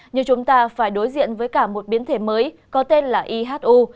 như chúng ta phải đối diện với cả một biến thể mới có tên là ihu